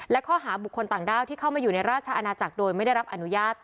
และข้อหาบุคคลต่างด้าวที่เข้ามาอยู่ในราชอาณาจักรโดยไม่ได้รับอนุญาต